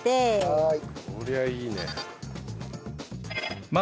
はい。